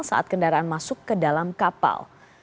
saat kendaraan masuk ke dalam kapal